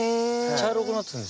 茶色くなってるんですね。